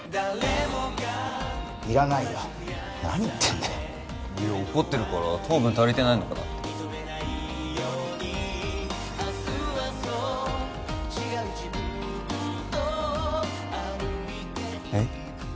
いらないよ何言ってんだよいや怒ってるから糖分足りてないのかなってえッ？